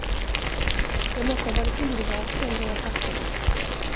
Jag måtte ha varit yrvaken, då jag packade.